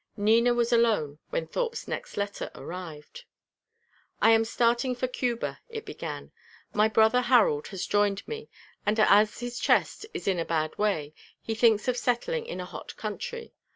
Nina was alone when Thorpe's next letter arrived. "I am starting for Cuba," it began. "My brother Harold has joined me; and as his chest is in a bad way, he thinks of settling in a hot country.